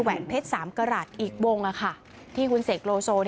แหนเพชรสามกระหลาดอีกวงอะค่ะที่คุณเสกโลโซ